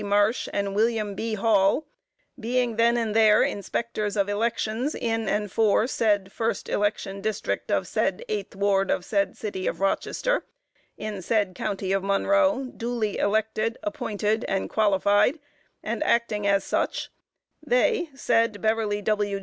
Marsh, and William B. Hall, being then and there Inspectors of Elections in and for said first election District of said eighth ward of said City of Rochester, in said County of Monroe, duly elected, appointed, and qualified and acting as such, they, said Beverly W.